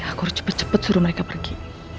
aku harus cepet cepet suruh mereka pergi